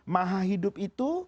maha hidup itu